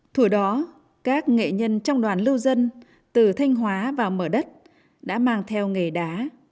thủa đó các nghệ nhân trong đoàn lưu dân từ thanh hóa vào mở đất đã mang theo nghề đá